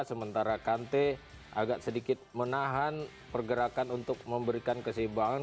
sementara kante agak sedikit menahan pergerakan untuk memberikan keseimbangan